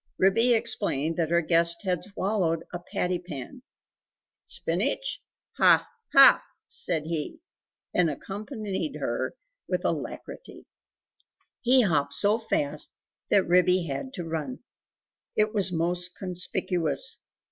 Ribby explained that her guest had swallowed a patty pan. "Spinach? ha! HA!" said he, and accompanied her with alacrity. He hopped so fast that Ribby had to run. It was most conspicuous.